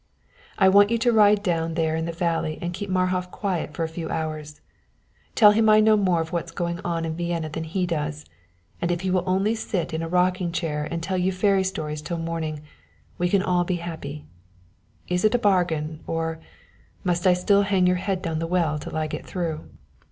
I want you to ride down there in the valley and keep Marhof quiet for a few hours; tell him I know more of what's going on in Vienna than he does, and that if he will only sit in a rocking chair and tell you fairy stories till morning, we can all be happy. Is it a bargain or must I still hang your head down the well till I get through?"